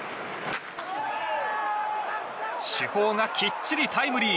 主砲がきっちりタイムリー。